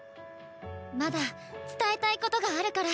まだ伝えたいことがあるから。